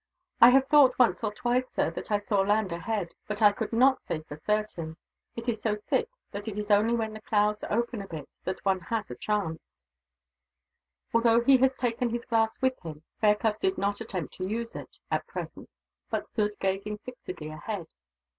"I have thought, once or twice, sir, that I saw land ahead; but I could not say for certain. It is so thick that it is only when the clouds open a bit that one has a chance." Although he had taken his glass with him, Fairclough did not attempt to use it, at present; but stood gazing fixedly ahead.